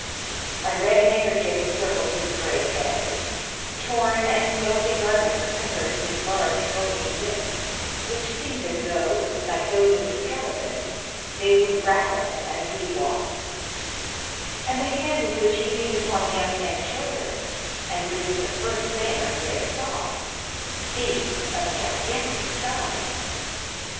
A red handkerchief encircled his gray head; torn and filthy garments covered his large bony limbs, which seemed as though, like those of a skeleton, they would rattle as he walked; and the hand with which he leaned upon the young man's shoulder, and which was the first thing Andrea saw, seemed of gigantic size.